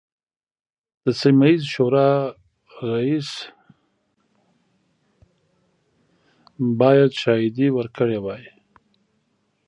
د سیمه ییزې شورا رئیس باید شاهدې ورکړي وای.